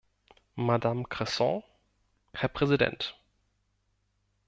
Madame Cresson, Herr Präsident!